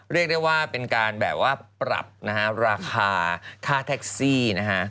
เรียกได้ว่าเป็นการแบบว่าปรับนะฮะราคาค่าแท็กซี่นะฮะ